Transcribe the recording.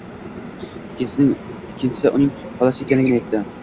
Ikkinchisi uning xolasi ekanligini aytdi